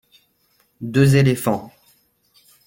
Deux éléphants.